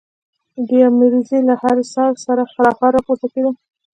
د يوه مريض له هرې ساه سره خرهار راپورته کېده.